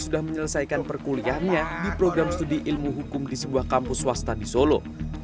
sudah menyelesaikan perkuliahannya di program studi ilmu hukum di sebuah kampus swasta di solo